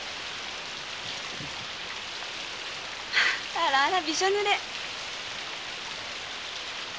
あらあらびしょ濡れ。